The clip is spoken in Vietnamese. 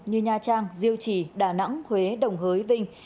như nha trang diêu trì đà nẵng huế đồng hới vinh